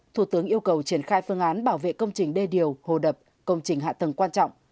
thủ tướng yêu cầu triển khai phương án bảo vệ công trình đê điều hồ đập công trình hạ tầng quan trọng